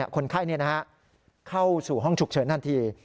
คนไข้เข้าสู่ห้องฉุกเฉินทันที